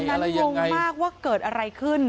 นั้นงงมากว่าเกิดอะไรขึ้น